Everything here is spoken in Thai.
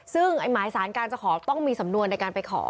ซึ่งหมายสารการจะขอต้องมีสำนวนในการไปขอ